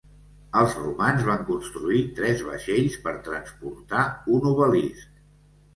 Els romans van construir tres vaixells per transportar un obelisc.